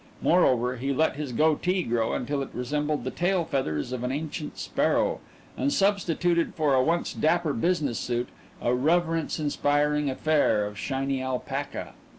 Moreover, he let his goatee grow until it resembled the tail feathers of an ancient sparrow and substituted for a once dapper business suit a reverence inspiring affair of shiny alpaca.